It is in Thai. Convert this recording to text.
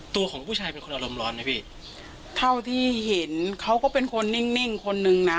ตัวของผู้ชายเป็นคนอารมณ์ร้อนไหมพี่เท่าที่เห็นเขาก็เป็นคนนิ่งนิ่งคนนึงนะ